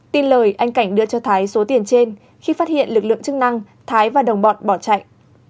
tin lời anh cảnh đưa cho thái số tiền trên khi phát hiện lực lượng chức năng thái và đồng bọn bỏ chạy